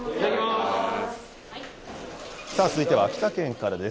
さあ、続いては秋田県からです。